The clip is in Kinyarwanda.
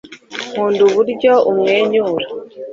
nkunda uburyo umwenyura